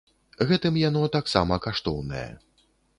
Гэтым яно таксама каштоўнае.